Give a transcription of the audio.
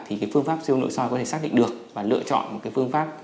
thì cái phương pháp siêu nội soi có thể xác định được và lựa chọn một cái phương pháp